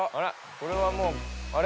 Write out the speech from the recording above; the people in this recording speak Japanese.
これはもうあれ？